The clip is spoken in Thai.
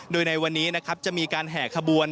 โดยในวันนี้นะครับจะมีการแห่ขบวน